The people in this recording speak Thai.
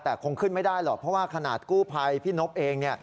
แต่คงขึ้นไม่ได้หรือเพราะว่าขนาดกู้ไพคินทร์เอง